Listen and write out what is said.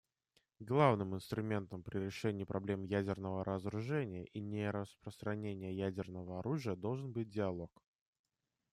Главным инструментом при решении проблем ядерного разоружения и нераспространения ядерного оружия должен быть диалог.